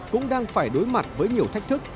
cũng đang phải đối mặt với nhiều thách thức